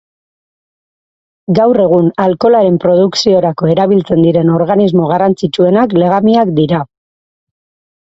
Gaur egun alkoholaren produkziorako erabiltzen diren organismo garrantzitsuenak legamiak dira.